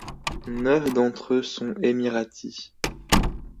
Neuf d'entre eux sont émiratis.